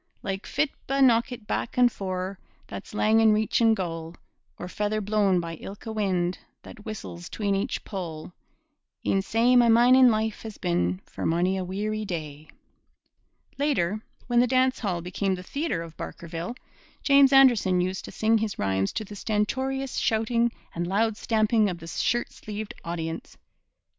Like fitba' knockit back and fore, That's lang in reachin' goal, Or feather blown by ilka wind That whistles 'tween each pole E'en sae my mining life has been For mony a weary day. Later, when the dance hall became the theatre of Barkerville, James Anderson used to sing his rhymes to the stentorious shouting and loud stamping of the shirt sleeved audience.